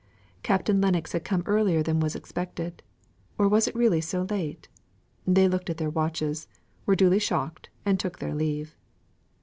Captain Lennox had come earlier than was expected; or was it really so late? They looked at their watches, were duly shocked, and took their leave.